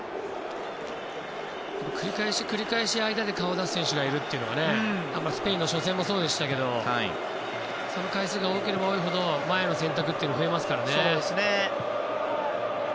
繰り返し、繰り返し間で顔を出す選手がいるというのはスペインの初戦もそうでしたけどその回数が多ければ多いほど前での選択というのは増えますからね。